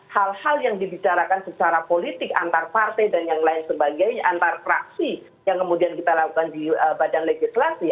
hal hal yang dibicarakan secara politik antar partai dan yang lain sebagainya antar fraksi yang kemudian kita lakukan di badan legislasi